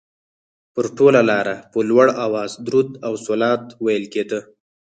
پر ټوله لاره په لوړ اواز درود او صلوات ویل کېده.